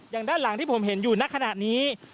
อย่างด้านหลังที่ผมเห็นอยู่นักขณะนี้